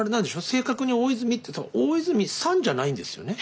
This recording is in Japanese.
正確に大泉って「大泉さん」じゃないんですよね？